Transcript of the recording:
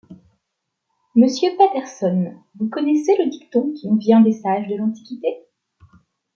Monsieur Patterson, vous connaissez le dicton qui nous vient des sages de l’antiquité?...